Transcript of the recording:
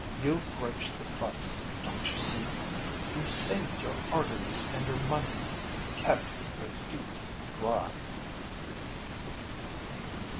You grudged the price, don't you see. You saved your arteries and your money and kept your feet dry."